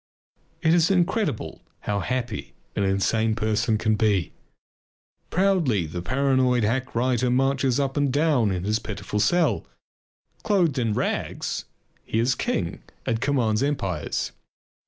It is incredible how happy an insane person can be. Proudly the paranoid hack writer marches up and down in his pitiful cell. Clothed in rags, he is king and commands empires.